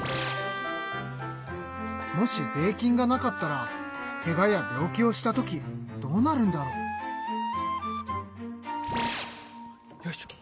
もし税金がなかったらけがや病気をした時どうなるんだろう？よいしょ。